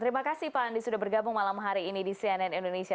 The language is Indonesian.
terima kasih pak andi sudah bergabung malam hari ini di cnn indonesia